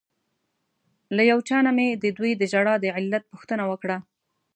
له یو چا نه مې ددوی د ژړا د علت پوښتنه وکړه.